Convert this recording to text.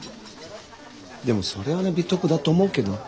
でもそれは美徳だと思うけど。